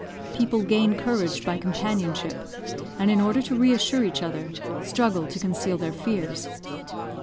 People gain courage by companionship, and in order to re assure each other, struggle to conceal their fears.